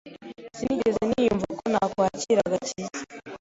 Si nigeze niyumva ko nakwakira agakiza!